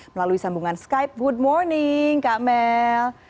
melalui sambungan skype good morning kak mel